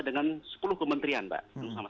dengan sepuluh kementerian pak